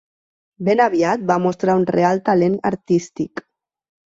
Ben aviat va mostrar un real talent artístic.